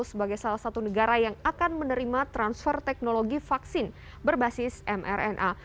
sebagai salah satu negara yang akan menerima transfer teknologi vaksin berbasis mrna